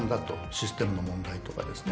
システムの問題とかですね。